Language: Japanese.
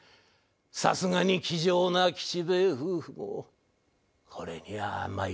さすがに気丈な吉兵衛夫婦もこれにはまいりました。